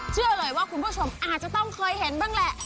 เชื่อเลยว่าคุณผู้ชมอาจจะต้องเคยเห็นบ้างแหละ